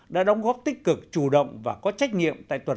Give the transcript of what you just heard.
đã đóng góp tích cực chủ động và có trách nhiệm